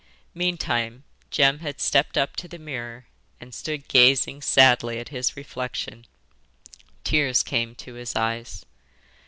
Meantime Jem had stepped up to the mirror, and stood gazing sadly at his reflection. Tears came to his eyes.